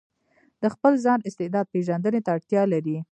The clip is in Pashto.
د خپل ځان استعداد پېژندنې ته اړتيا لري.